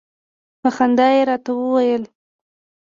په خندا يې راته وویل.